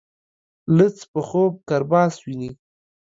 لڅ په خوب کرباس ويني.